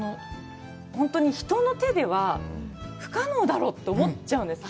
本当に人の手では不可能だろうと思っちゃうんです。